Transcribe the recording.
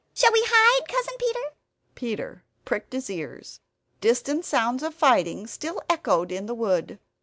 Shall we hide, Cousin Peter?" Peter pricked his ears; distant sounds of fighting still echoed in the wood.